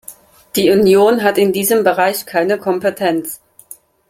Die Union hat in diesem Bereich keine Kompetenz.